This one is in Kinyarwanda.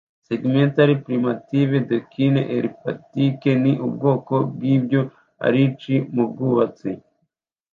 Segmental, Primitive, Doucine, Elliptical ni ubwoko bwibyo Arch (mubwubatsi)